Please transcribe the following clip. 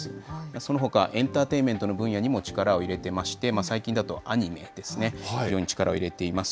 そのほかエンターテインメントの分野にも力を入れてまして、最近だとアニメですね、非常に力を入れています。